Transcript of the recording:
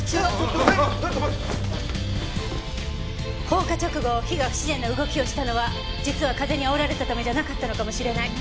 放火直後火が不自然な動きをしたのは実は風に煽られたためじゃなかったのかもしれない。